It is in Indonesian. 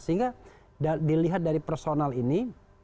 sehingga dilihat dari personal ini